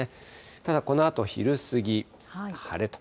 ただこのあと、昼過ぎ、晴れと。